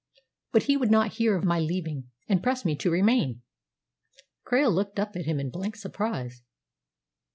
But he would not hear of my leaving, and pressed me to remain." Krail looked at him in blank surprise.